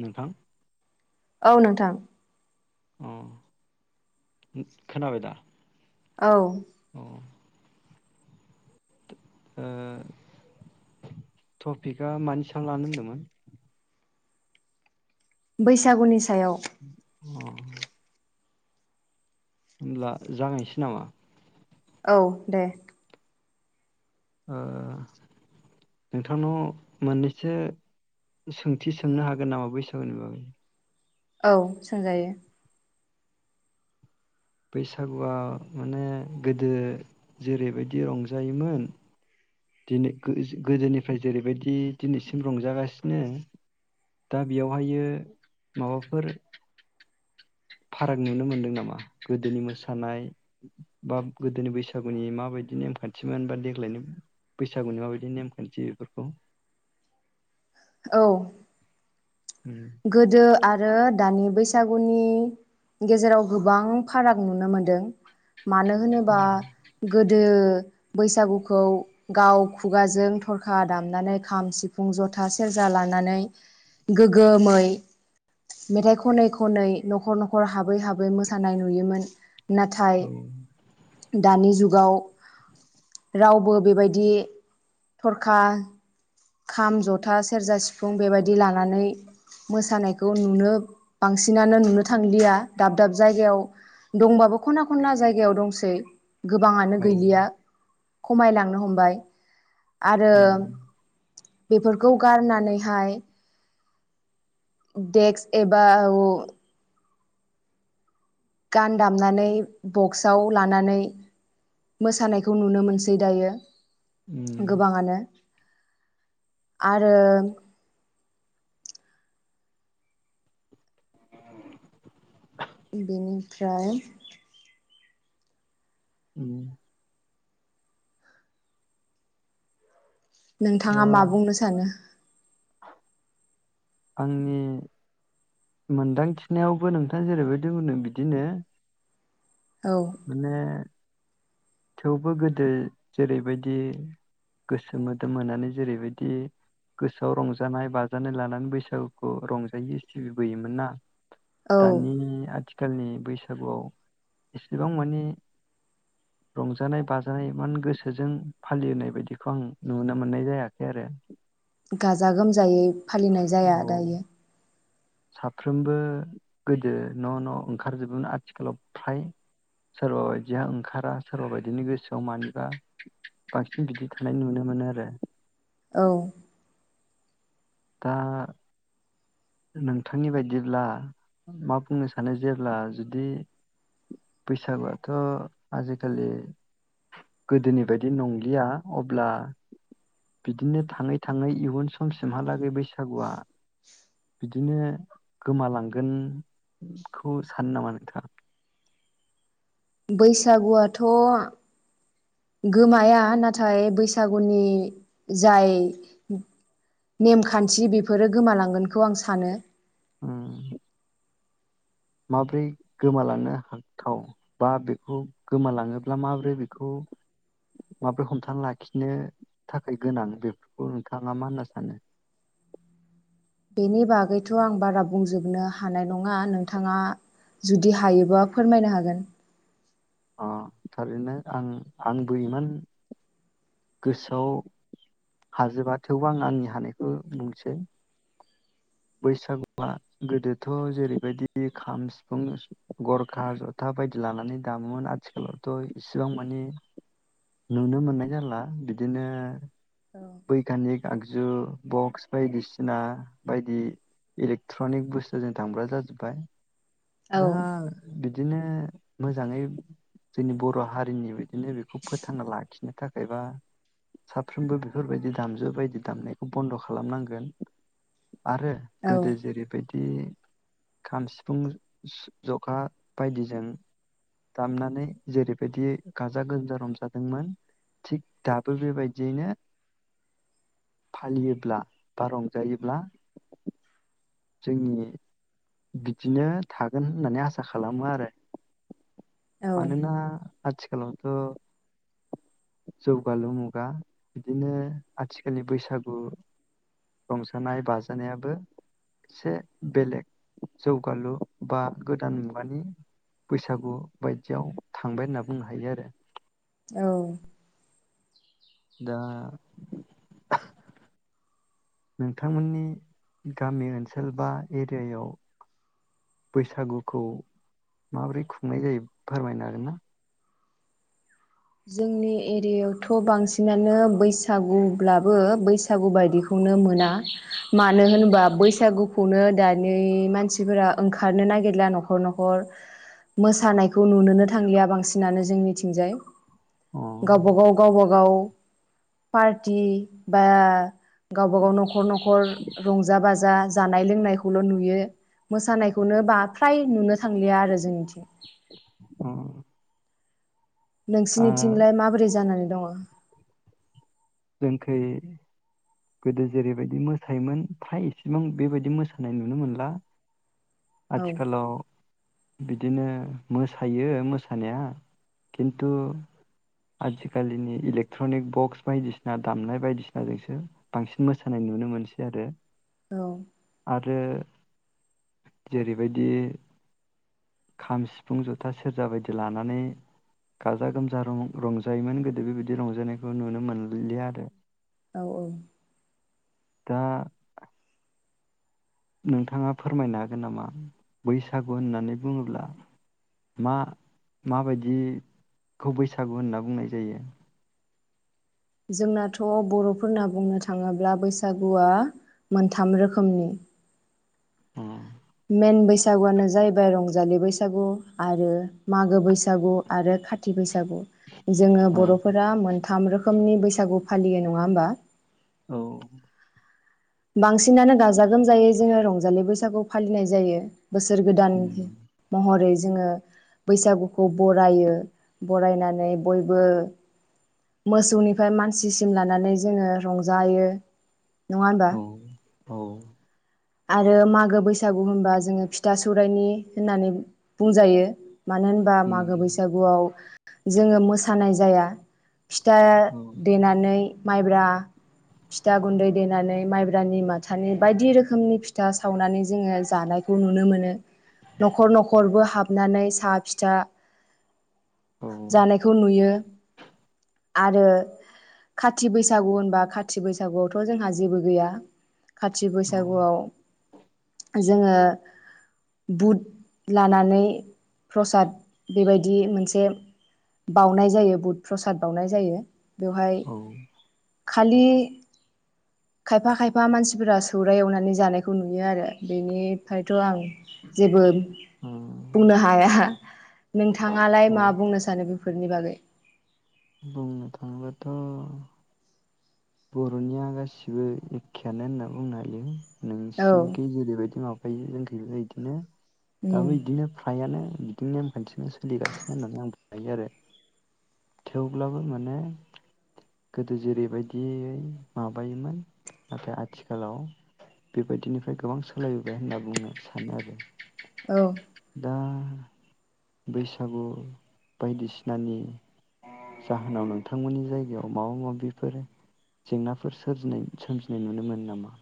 नोंथां। औ नोंथां। अ खोनाब दा औ अ ओ टपिकआ मानि सांयाव लानो होनदोंमोन। बैसागुनि सायाव अ हब्ला जाहायनोसै नामा। औ दे ओ नोंथांनाव मोननैसो सोंथि सोंनो हागोन नामा बैसागुनि बागै औ सोंजायो। बैसागुआ माने गोदो जेरैबायदि रंजायोमोन। दिनै गोदोनिफ्राय जेरैबायदि। फाराग नुनो मोनदों नामा? गोदोनि मोसानाय बा गोदोनि औ उम गोदो आरो दानि। बैसागुनि गेजेराव गोबां फाराग नुनो मोनदों मानो होनोबा गोदो बैसागुखौ गाव खुगाजों थरखा दामनानै खाम सिफुं जथा सेरजा लानानै गोमै मेथाइ खनै खनै न'खर न'खर हाबै हाबै बै मोसानाय नुयोमोन नाथाय औ दानि जुगाव रावबो बेबायदि थरखा खाम जथा सेरजा सिफुं बेबायदि लानानै मोसानायखौ नुनो बांसिनानो नुनो थांलिया दाब दाब जायगायाव दंबाबो खना खनला जायगायाव दंसै गोबाङानो औ गैलिया खमायलांनो हमबाय आरो उम बेफोरखौ गारनानैहाय देक्स एबा आ गान दामनानै बक्सआव लानानै मोसानायखौ नुनो मोनसै दायो उम गोबाङानो आरो बेनिफ्राय ए दा नोंथाङा मा बुंनो सानो आंनि मोनदांथिनायावबो नोंथाङा जेरैबायदि बुंदों बिदिनो औ माने थेवबो गोदो जेरैबायदि गोसो मोदोम होनानै जेरैबायदि गोसोआव रंजानाय बाजानाय लानानै बैसागुखौ रंजायो टिभि बोयोमोन ना औ दानि आथि आथिखालनि बैसागुआव एसेबां मानिे रंजानाय बाजानाय इान गोसोजों फालिोनाय बायदिखौ आं नुनो मोननाय जायाखै आरो। गाजा गोमजायै फालिनाय औ जाया दायो। साफ्रोमबो गोदो न' न' ओंखारजोबोमोन आथिखालाव फ्राय सोरबा बायदिया ओंखारा सोरबा बायदिनि गोसोआव मानिबा बांसिन बिदि थानाय नुनो मोनो आरो। औ। दा नोंथांनि बायदिब्ला मा बुंनो सानो जेब्ला जुदि बैसागुआथ' आजिखालि गोदोनि बायदि नंलिया अब्ला बिदिनो थाङै थाङै इयुन समसिमहालागै बे बैसागुआ बिदिनो गोमालांगोनखौ सानो नामा नोंथाङा? बैसागुआथ' गोमाया नाथाय बैसागुनि जाय नेमखान्थि बेफोरो गोमालांगोनखौ आं सानो उम। माबोरै गोमालांनो हाथाव बा बेखौ गोमालाङोब्ला माबोरै बेखौ माबोरै हमथान लाखिनो थाखाय गोनां बेफोरखौ नोंथाङा मा होनना सानो। बेनि बागैथ' आं बारा बुंजोबनो हानाय नङा नोंथाङा जुदि हायोबा फोरमायनो हागोन। अ थारैनो आं आंबो इमान गोसोआव हाजोबा थेवबो आं आंनि हानायखौ बुंनोसै। बैसागुआ गोदोथ' जेरैबायदि खाम सिफुं गरखा जथा बायदि लानानै दामोमोन आथिखालावथ' इसिबां मानिे नुनो मोननाय जाला बिदिनो बैग्निक आगजु बक्स बायदिसिना बायदि बिदि इलेकट्र'निक बुस्थुजों दामग्रा जाजोब्बाय। औ दा बिदि बिदिनो मोजाङै जोंनि बर' हारिनि बिदिनो बेखौ फोथांना लाखिनो थाखायबा साफ्रोमबो बेफोरबायदि दामजु बायदि दामनायखौ बन्द' खालामनांगोन। आरो औ गोदो जेरैबायदि। बि खाम, सिफुं, जथा बायदिजों दामनानै जेरैबायदि गाजा गोमजा रंजादोंमोन थिग दाबो बेबायदियैनो फालियोब्ला बा रंजायोब्ला। जोंनि बिदिनो थागोन होननानै आसा खालामो आरो। औ मानोना आथिखालावथ' जौगालु मुगा बिदिनो आथिखालनि बैसागु रंजानाय बाजानायाबो एसे बेलेग जौगालु बा गोदान मुगानि बैसागु बायदियाव थांबाय होनना बुंनो हायो आरो। औ। दा नोंथांमोननि गामि ओनसोल बा एरियायाव बैसागुखौ माबोरै खुंनाय जायो फोरमायनो हागोनना? जोंनि एरियायावथ' बांसिनानो बैसागुब्लाबो बैसागु बायदिखौनो मोना मानो होनोबा बैसागुखौनो दानि मानसिफोरा ओंखारनो नागिरला न'खर न'खर मोसानायखौ नुनोनो थांलिया बांसिनानो जोंनिथिंजाय। अ गावबा गाव गावबा गाव। पार्टि बा गावबा गाव न'खर न'खर रंजा बाजा जानाय लोंनायखौल' नुयो मोसानायखौनो फ्राय नुनो। थांलिया आरो जोंनिथिं। अ आ नोंसिनिथिंलाय माबोरै जानानै दङ। जोंखै गोदो जेरैबायदि मोसायोमोन फ्राय इसेबां बेबायदि मोसानाय नुनो मोनला। आथिखालाव बिदिनो मोसायो मोसानाया खिन्थु आजि खालिनि इलेक्ट्रनिक बक्स बायदिसिना ना दामनाय बायदिसिनाजोंसो बांसिन मोसानाय नुनो मोनसै आरो। औ। आरो जेरैबायदि खाम, सिफुं, जथा, सेरजा बायदि लानानै गाजा गोमजा रंजायोमोन गोदो बेबायदि रंजानायखौ नुनो मोन गैलिया आरो। औ औ। दा नोंथाङा फोरमायनो हागोन नामा बैसागु होननानै बुङोब्ला मा माबायदिखौ बैसागु होनना बुंनाय जायो? जोंनाथ' बर'फोरना बुंनो थाङोब्ला बैसागुआ मोनथाम रोखोमनि। अ मेन बैसागुआनो जाहैबाय रंज जालि बैसागु आरो मागो बैसागु आरो खाथ थि बैसागु जोङो औ बर'फोरा मोन थाम रोखोमनि बैसागु फालियो नङा होमबा? औ। बांसिनानो गाजा गोमजायै जोङो रंजालि बैसागु फालिनाय जायो। बोसोर गोदान महरै। जोङो बैसागुखौ बरायो बरायनानै बयबो। मोसौनिफ्राय मानसिसिम लानानै जोंङो रंजायो। नंङा होमबा? औ आरो मागो बैसागु होनबा जोंङो फिथा सौरायनि होननानै बुंजायो। मानो होनबा मागो बैसागुआव जोंङो मोसानाय जाया। फिथा देनानै माइब्रा फिथा गुन्दै देनानै माइब्रानि माथानि बायदि रोख खोमनि फिथा सावनानै जोंङो जानायखौ नुनो मोनो न'खर न'खरबो हाबनानै साहा फिथा जानायखौ नुयो। आरो खाथि बैसागु होनबा खाथि बैसागुआवथ' जोंहा जेबो गैया खाथि बैस औ बैसागुआव जोंङो बुट लानानै प्रसाद बेबायदि मोनसे बाउनाय जायो बुट प्रसाद बावउनाय जायो। बेवहाय औ खालि खायफा खायफा मानसिफोरा सौरिय एवनानै जानायखौ नुयो आरो बेनिफ्रायथ' आं जेबो औ बुंनो हाया। नोंथ थांङालाय मा बुंनो सानो बेफोरनि बागै? बुंनो थाङोबाथ' बर'निया गासिबो एखेयानो होनना बुंनो हायो। औ नोंसिनिखि जेरैबायदि माबायो जों बि बायदिनो उम दाबो इदिनो फ्रायानो बिदिनो नेमखान्थिजों सोलिगासिनो होननानै आं बुंनो हायो आरो थेवब्लाबो माने गोदो जेरैबायद बिदियै माबायोमोन नाथाय आथिखालाव बेबायदिनिफ्राय गोबां सोलायबोबाय होनना बुंनो सानो आरो औ दा बैसागु बायदिसिनानि जाहोनाव नोंथांमोननि जायगायाव माबा माबिफोर जेंनाफोर सोमजिनाय नुनो मोनो नामा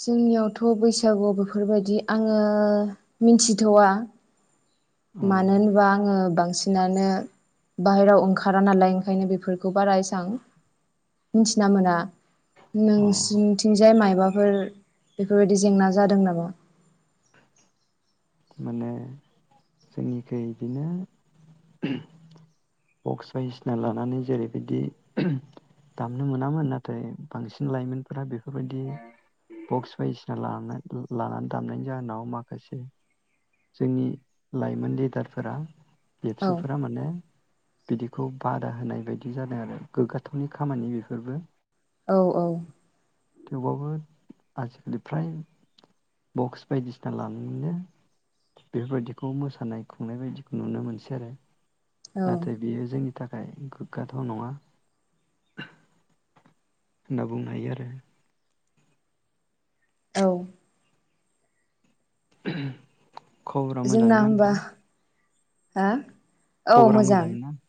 जोंनियावथ' बैसागु बेफोरबायदि आंङो मिथिथ'वा अ मानो होनबा आंङो बांसिनानो बाहेरायाव ओंखारा नालाय ओंखायनो बेफोरखौ बारा एसेबां मिथिना मोना अ नोंसिनिथिंजाय माइ माबाफोर बेफोरबायदि जेंना जादों नामा माने जोंनिख बिदिनो बक्स बायदिसिना लानानै जेरैबायदि दामनो मोनामोन नाथाय बांसिन लाइमोनफोरा बेफोरबायदि बक्स बायदिसिना लानानै दामनायनि जाहोनाव माखासे जोंनि लाइमोन लिडारफोरा औ एबसुफोरा माने बिदिखौ बादा होनाय बायदि जादों आरो गोग्गाथावनि खामानि बेफोरबो औ औ थेवबाबो आजिखालि फ्राय बक्स बायदिसिना लानानैनो बेफोरबायदिखौ मोसानाय खुंनाय बायदिखौ नुनो मोनसै आरो औ नाथाय बेयो जोंनि थाखाय गोग्गाथाव नङा होनना बुंनो हायो आरो औ [inaudible] खबरा जोंना मोजाङैनो ना होमबा नोंथां? हा खबरा मोजां ना? [inaudible]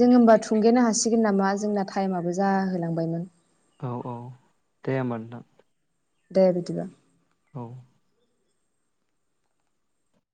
जों होमबा थुंगेनो हासिगोन नामा जोंना टाइमाबो जाहोलांबायमोन। औ औ दे होमबा नोंथां। दे बेबायदि बा। औ